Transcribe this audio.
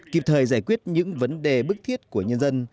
kịp thời giải quyết những vấn đề bức thiết của nhân dân